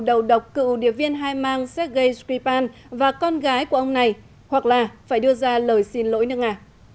đầu độc cựu điệp viên hai mang sergei sripal và con gái của ông này hoặc là phải đưa ra lời xin lỗi nước nga